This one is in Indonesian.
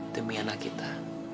demi anak kita